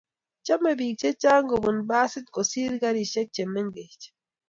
Chame biik che chang kobun basit kosiir karishek che mengech